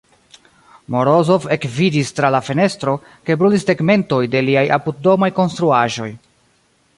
Morozov ekvidis tra la fenestro, ke brulis tegmentoj de liaj apuddomaj konstruaĵoj.